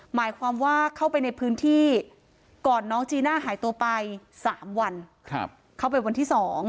หมายความว่าเข้าไปในพื้นที่ก่อนน้องจีน่าหายตัวไป๓วันเข้าไปวันที่๒